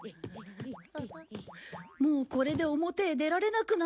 もうこれで表へ出られなくなったよ。